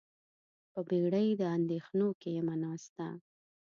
په بیړۍ د اندیښنو کې یمه ناسته